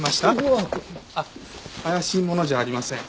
うわっ！あっ怪しい者じゃありません。